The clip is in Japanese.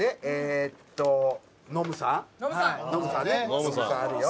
ノムさんあるよ。